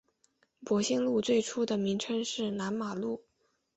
伯先路最初的名称是南马路。